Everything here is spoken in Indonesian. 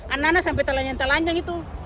anak anak sampai telanjang telanjang itu